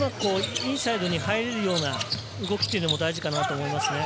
インサイドに入るような動きも大事かなと思いますね。